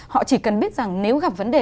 họ chỉ cần biết rằng nếu gặp vấn đề